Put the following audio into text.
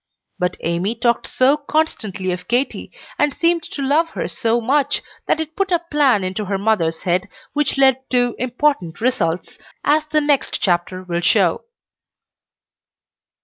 But Amy talked so constantly of Katy, and seemed to love her so much, that it put a plan into her mother's head which led to important results, as the next chapter will show.